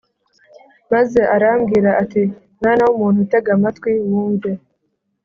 Maze arambwira ati Mwana w umuntu tega amatwi wumve